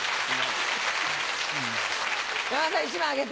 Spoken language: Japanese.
山田さん１枚あげて。